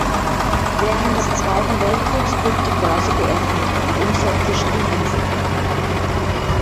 Während des Zweiten Weltkriegs blieb die Börse geöffnet, die Umsätze stiegen sogar.